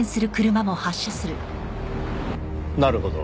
なるほど。